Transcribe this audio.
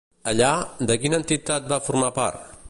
Allà, de quina entitat va formar part?